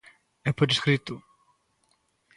E por escrito.